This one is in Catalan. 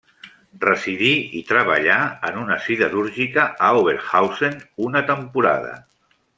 Residí i treballà en una siderúrgica a Oberhausen una temporada.